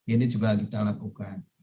ini juga kita lakukan